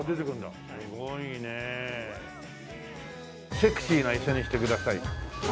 セクシーな椅子にしてください。